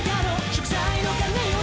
「祝祭の鐘よ